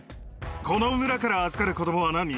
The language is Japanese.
この村から預かる子どもは何人？